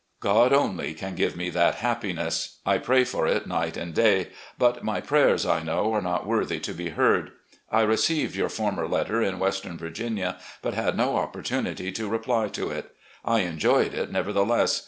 God only can give me that happiness. I pray for it night and day. But my prayers I know are not worthy to be heard. I received your former letter in western Virginia, but had no opporttmity to reply to it. I enjoyed it, nevertheless.